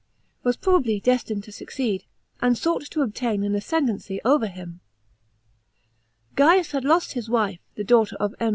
CHAP. xin. was probably destined to succeed, and sought to obtain an ascendency over him G aius had lost his wife, the daughter of M.